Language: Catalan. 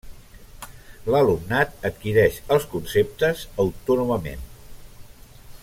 L’alumnat adquireix els conceptes autònomament.